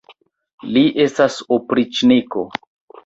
Li estas opriĉniko.